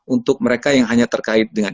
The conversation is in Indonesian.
untuk mereka yang hanya terkait dengan